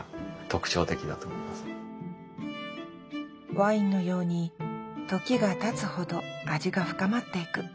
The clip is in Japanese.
ワインのように時がたつほど味が深まっていく